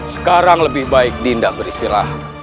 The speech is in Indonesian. sekarang lebih baik dinda beristirahat